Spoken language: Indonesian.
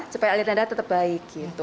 supaya alir dada tetap baik gitu